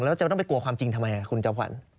แล้วจะต้องไปกลัวความจริงทำไมคุณจอมขวัญ